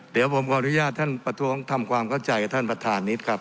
เดี๋ยวผมขออนุญาตท่านประท้วงทำความเข้าใจกับท่านประธานนิดครับ